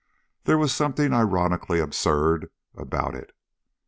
There was something ironically absurd about it.